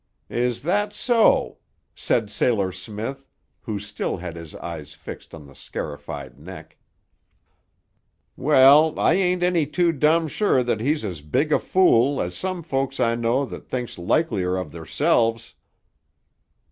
"Is that so!" said Sailor Smith, who still had his eyes fixed on the scarified neck. "Well, I ain't any too dum sure thet he's as big a fool as some folks I know thet thinks likelier of theirselves."